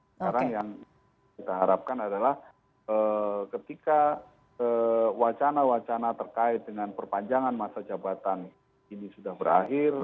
sekarang yang kita harapkan adalah ketika wacana wacana terkait dengan perpanjangan masa jabatan ini sudah berakhir